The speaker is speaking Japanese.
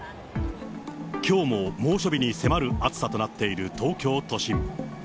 きょうも猛暑日に迫る暑さとなっている東京都心。